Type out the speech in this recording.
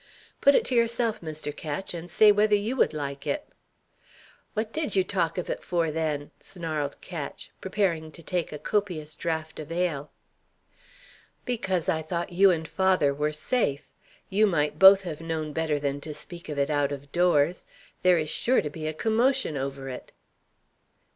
Put it to yourself, Mr. Ketch, and say whether you would like it." "What did you talk of it for, then?" snarled Ketch, preparing to take a copious draught of ale. "Because I thought you and father were safe. You might both have known better than to speak of it out of doors. There is sure to be a commotion over it."